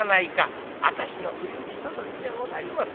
『私の不行き届きでございます。